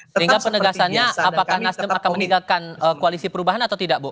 sehingga penegasannya apakah nasdem akan meninggalkan koalisi perubahan atau tidak bu